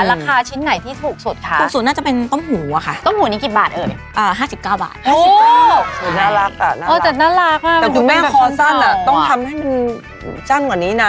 ราคาของมูลค่าของกับมูลค่าคิดนี่มันไม่ใช่